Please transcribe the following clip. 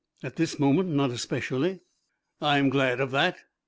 "At this moment, not especially." "I'm glad of that."